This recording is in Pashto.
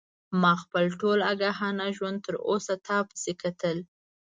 ما خپل ټول آګاهانه ژوند تر اوسه تا پسې کتل.